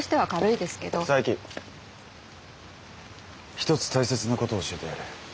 一つ大切なことを教えてやる。